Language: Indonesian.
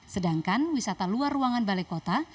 sedangkan wisata luar ruangan balai kota